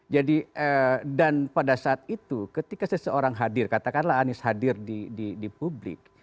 jadi dan pada saat itu ketika seseorang hadir katakanlah anies hadir di publik